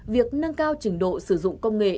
việc nâng cao trình độ sử dụng công nghệ